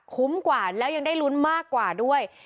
กว่าแล้วยังได้ลุ้นมากกว่าด้วย